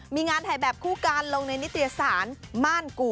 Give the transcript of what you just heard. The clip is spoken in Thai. มีงานถ่ายแบบคู่กันลงในนิตยสารม่านกู่